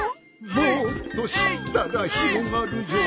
「もっとしったらひろがるよ」